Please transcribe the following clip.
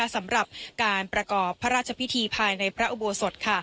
สำหรับการประกอบพระราชพิธีภายในพระอุโบสถ